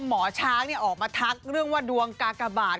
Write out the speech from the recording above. หมอช้างออกมาทักเรื่องว่าดวงกากบาท